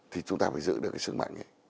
thì chúng ta phải giữ được cái sức mạnh ấy